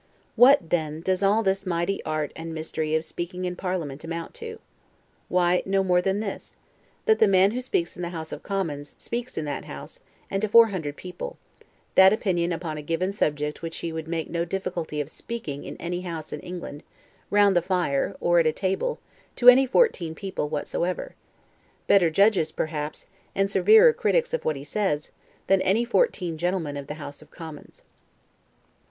What then does all this mighty art and mystery of speaking in parliament amount to? Why, no more than this: that the man who speaks in the House of Commons, speaks in that House, and to four hundred people, that opinion upon a given subject which he would make no difficulty of speaking in any house in England, round the fire, or at table, to any fourteen people whatsoever; better judges, perhaps, and severer critics of what he says, than any fourteen gentlemen of the House of Commons.